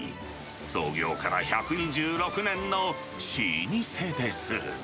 創業から１２６年の老舗です。